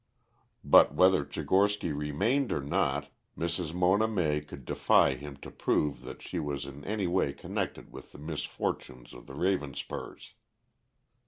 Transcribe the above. But whether Tchigorsky remained or not, Mrs. Mona May could defy him to prove that she was in any way connected with the misfortunes of the Ravenspurs.